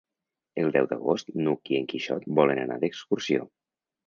El deu d'agost n'Hug i en Quixot volen anar d'excursió.